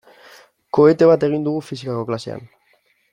Kohete bat egin dugu fisikako klasean.